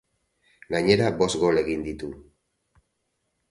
Gainera, bost gol egin ditu.